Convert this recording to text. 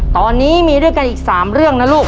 ตอนนี้มีด้วยกันอีก๓เรื่องนะลูก